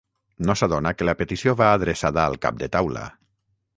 No s'adona que la petició va adreçada al cap de taula.